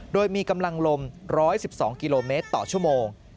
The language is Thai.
โดยมีกำลังลม๑๑๒กิโลเมตรต่อชั่วโมง